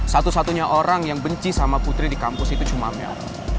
satu satunya orang yang benci sama putri di kampus itu cuma amel